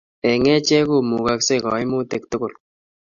eng' achek ko mugaksei kaimutik tugul